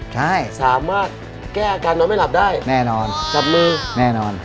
ใช่สามารถแก้อาการนอนไม่หลับได้แน่นอนจับมือแน่นอน